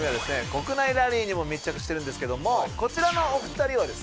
国内ラリーにも密着してるんですけどもこちらのお二人はですね